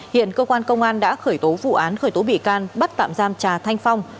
hiện cơ quan công an đã khởi tố vụ án khởi tố bị can bắt tạm giam trà thanh phong